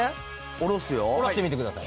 下ろしてみてください。